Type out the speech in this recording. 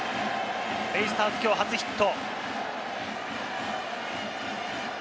ベイスターズ、きょう初ヒット！